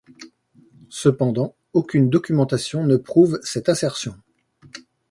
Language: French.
Cependant, aucune documentation ne prouve cette assertion.